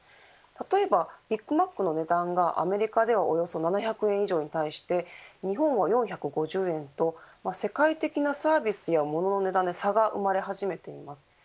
例えばビッグマックの値段がアメリカではおよそ７００円以上に対して日本は４５０円と世界的なサービスやモノの値段で差が生まれ始めています。